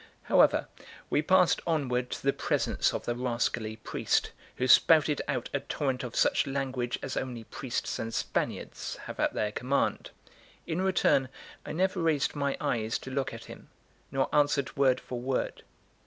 However, we passed onward to the presence of the rascally priest, who spouted out a torrent of such language as only priests and Spaniards have at their command. In return I never raised my eyes to look at him, nor answered word for word.